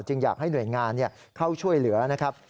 อยากให้หน่วยงานเข้าช่วยเหลือนะครับ